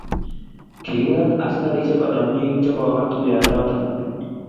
kiking'at askarisiek konam biik che koba tuyionoto